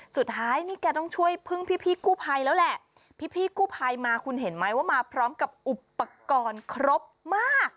สุดท้ายนี่แกต้องช่วยพึ่งพี่กู้ภัยแล้วแหละพี่กู้ภัยมาคุณเห็นไหมว่ามาพร้อมกับอุปกรณ์ครบมาก